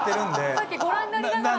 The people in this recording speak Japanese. さっきご覧になりながら。